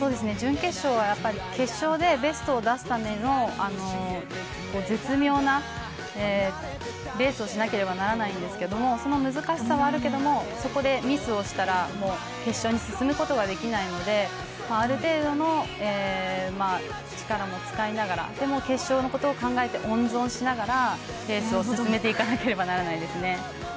準決勝は決勝でベストを出すための絶妙なレースをしなければならないんですけどその難しさはあるけどもそこでミスをしたら決勝に進むことができないのである程度の力も使いながら決勝のことを考えて温存しながらレースを進めていかなければならないですね。